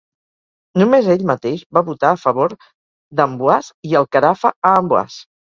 Només ell mateix va votar a favor d'Amboise, i el Carafa a Amboise.